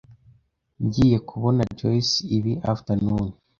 Ngiye kubona Joyce ibi afternoon.